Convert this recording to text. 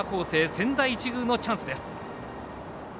千載一遇のチャンスです。